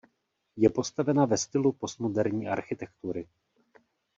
Je postavena ve stylu postmoderní architektury.